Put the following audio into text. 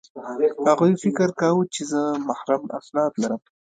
هغوی فکر کاوه چې زه محرم اسناد لرم